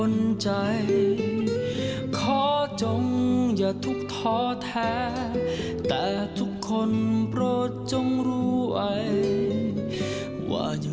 ที่จะฟื้นฟูให้กลับสู่สภาพปกติครับ